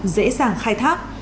dễ dàng khai thác